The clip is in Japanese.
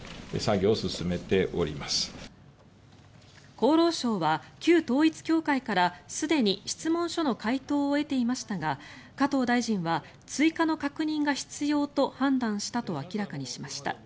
厚労省は旧統一教会からすでに質問書の回答を得ていましたが加藤大臣は追加の確認が必要と判断したと明らかにしました。